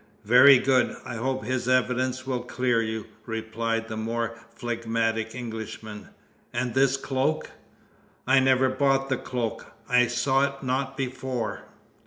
"Very good! I hope his evidence will clear you," replied the more phlegmatic Englishman. "And this cloak?" "I never bought the cloak! I saw it not before!"